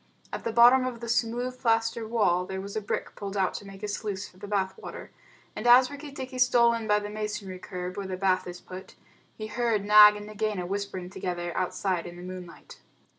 At the bottom of the smooth plaster wall there was a brick pulled out to make a sluice for the bath water, and as Rikki tikki stole in by the masonry curb where the bath is put, he heard Nag and Nagaina whispering together outside in the moonlight.